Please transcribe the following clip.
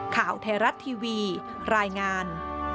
ข่าวไทยรัฐทีวีรายงาน